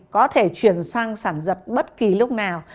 có thể chuyển sang sản giật bất kỳ lúc nào